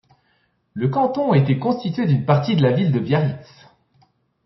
Le canton était constitué d'une partie de la ville de Biarritz.